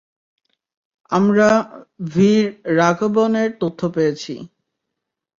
আমরা ভীর রাঘবন এর তথ্য পেয়েছি।